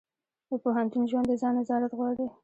د پوهنتون ژوند د ځان نظارت غواړي.